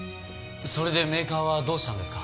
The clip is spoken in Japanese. それでメーカーはどうしたんですか？